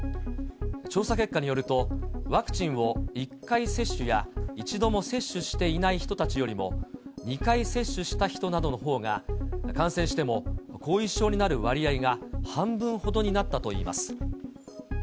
調査結果によると、ワクチンを１回接種や、１度も接種していない人たちよりも、２回接種した人などのほうが、感染しても後遺症になる割合が半分ほどになったといいます。